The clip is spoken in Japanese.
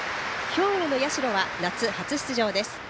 兵庫の社は夏初出場です。